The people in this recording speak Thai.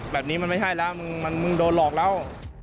แบบนี้มันไม่ใช่แล้วมึงโดนหลอกแล้ว